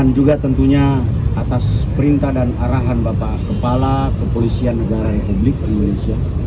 dan juga tentunya atas perintah dan arahan bapak kepala kepolisian negara republik indonesia